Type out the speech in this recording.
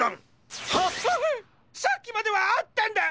さっきまではあったんだ！